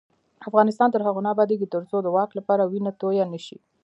افغانستان تر هغو نه ابادیږي، ترڅو د واک لپاره وینه تویه نشي.